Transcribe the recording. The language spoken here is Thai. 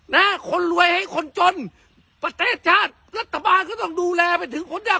นะคนรวยให้คนจนประเทศชาติรัฐบาลก็ต้องดูแลไปถึงคนยาก